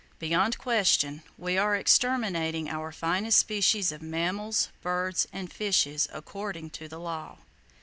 Beyond question, we are exterminating our finest species of mammals, birds and fishes according to law!